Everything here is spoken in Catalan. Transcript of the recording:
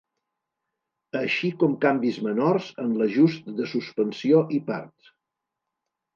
Així com canvis menors en l'ajust de suspensió i parts.